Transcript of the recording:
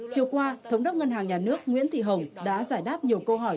chiều qua thống đốc ngân hàng nhà nước nguyễn thị hồng đã giải đáp nhiều câu hỏi